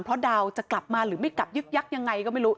เพราะดาวจะกลับมาหรือไม่กลับยึกยักษ์ยังไงก็ไม่รู้